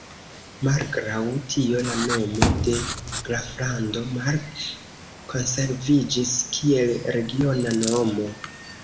Malgraŭ tio la nomo de Graflando Mark konserviĝis kiel regiona nomo.